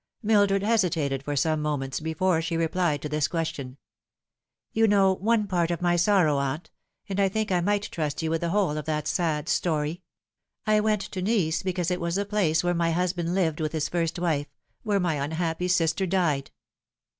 Mildred hesitated for some moments before she replied to this question. " You know one part of my sorrow, aunt ; and I think I might trust you with the whole of that sad story. I went to Nice because it was the place where my husband lived with his first wife where my unhappy sister died."